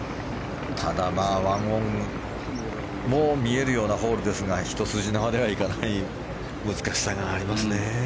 ただ、１オンも見えるようなホールですがひと筋縄ではいかない難しさがありますね。